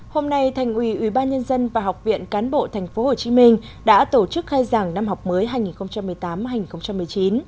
hôm nay thành ủy ubnd và học viện cán bộ tp hcm đã tổ chức khai giảng năm học mới hai nghìn một mươi tám hai nghìn một mươi chín